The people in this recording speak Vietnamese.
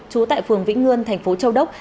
chú tại phường vĩnh ngươn thành phố châu đốc